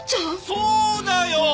そうだよ！